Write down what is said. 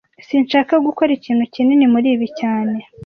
Sinshaka gukora ikintu kinini muri ibi cyane